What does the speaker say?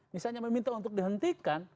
misalnya meminta untuk dihentikan